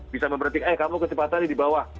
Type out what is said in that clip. bisa memberitik eh kamu kecepatannya di bawah